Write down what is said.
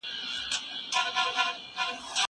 زه پرون د کتابتوننۍ سره وم.